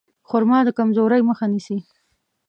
خرما د کمزورۍ مخه نیسي.